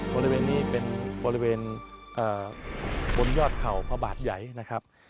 บริเวณนี้เป็นบริเวณบนยอดเขาพระบาทใหญ่นะครับ